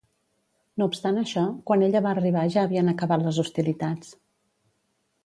No obstant això, quan ella va arribar ja havien acabat les hostilitats.